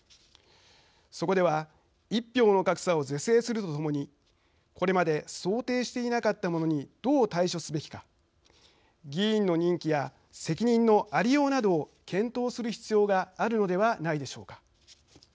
そこでは１票の格差を是正するとともにこれまで想定していなかったものにどう対処すべきか議員の任期や責任の在り様などを検討する必要があるのではないでしょうか。